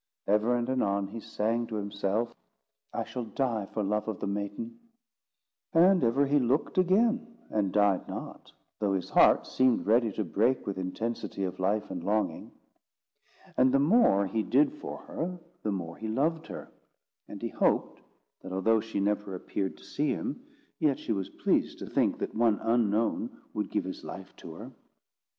Ever and anon he sang to himself: "I shall die for love of the maiden;" and ever he looked again, and died not, though his heart seemed ready to break with intensity of life and longing. And the more he did for her, the more he loved her; and he hoped that, although she never appeared to see him, yet she was pleased to think that one unknown would give his life to her.